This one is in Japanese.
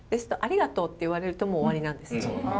「ありがとう」って言われるともう終わりなんです。